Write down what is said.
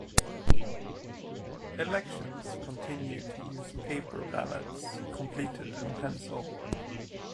Elections continue to use paper ballots completed in pencil.